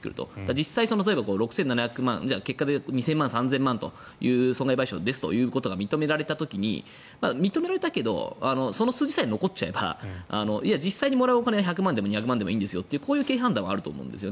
実際に例えば６７００万結果で２０００万、３０００万の損害賠償ですということが認められた時に、認められたけどその数字さえ残っちゃえば実際にもらうお金は１００万円でも２００万円でもいいという経営判断はあると思います。